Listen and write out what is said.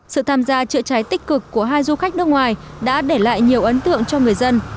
sự tham gia chữa cháy tích cực của hai du khách nước ngoài đã để lại nhiều ấn tượng cho người dân